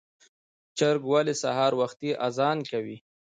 چرګ ولې سهار وختي اذان کوي؟